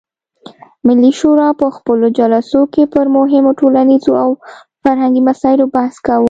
ملي شورا په خپلو جلسو کې پر مهمو ټولنیزو او فرهنګي مسایلو بحث کاوه.